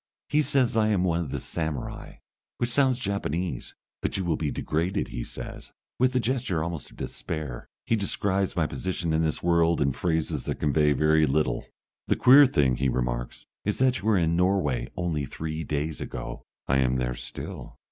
He says I am one of the samurai, which sounds Japanese, "but you will be degraded," he says, with a gesture almost of despair. He describes my position in this world in phrases that convey very little. "The queer thing," he remarks, "is that you were in Norway only three days ago." "I am there still.